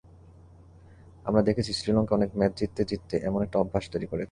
আমরা দেখেছি শ্রীলঙ্কা অনেক ম্যাচ জিততে জিততে এমন একটা অভ্যাস তৈরি করেছে।